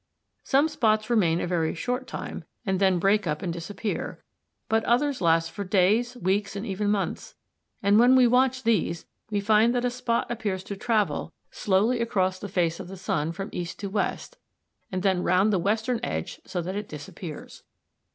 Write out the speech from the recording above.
Some spots remain a very short time and then break up and disappear, but others last for days, weeks, and even months, and when we watch these, we find that a spot appears to travel slowly across the face of the sun from east to west and then round the western edge so that it disappears.